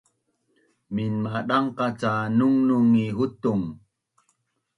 minmadangqac ca nungnung ngi hutung